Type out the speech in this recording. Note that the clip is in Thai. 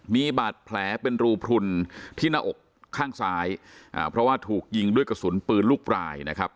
มีบาดแผลเป็นรูพลุนที่หน้าอกข้างซ้ายเพราะว่าถูกยิงด้วยกระสุนปืนลูกปลายนะครับ